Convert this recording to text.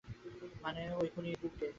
মানে, ওই খুনি ইঁদুরের দিকে?